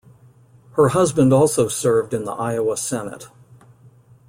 Her husband also served in the Iowa Senate.